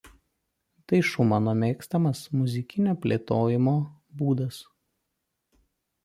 Tai Šumano mėgstamas muzikinio plėtojimo būdas.